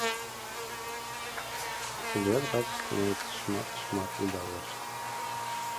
І тады адразу становіцца шмат і шмат відавочна.